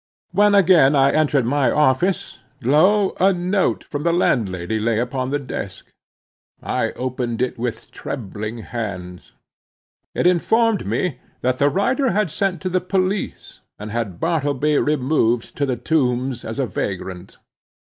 When again I entered my office, lo, a note from the landlord lay upon the desk. I opened it with trembling hands. It informed me that the writer had sent to the police, and had Bartleby removed to the Tombs as a vagrant.